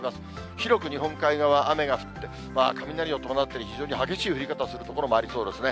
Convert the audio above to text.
広く日本海側、雨が降って、雷を伴ったり、非常に激しい降り方をする所もありそうですね。